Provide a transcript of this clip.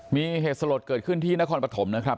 มีเหตุสลดเกิดขึ้นที่นครปฐมนะครับ